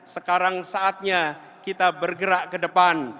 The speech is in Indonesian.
sekarang saatnya kita bergerak ke depan